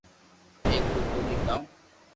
ايڪ ري ٻولي ڪاو